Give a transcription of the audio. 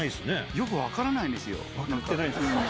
よく分からないんですよ。